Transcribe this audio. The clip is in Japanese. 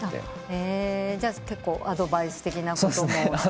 じゃあ結構アドバイス的なことも？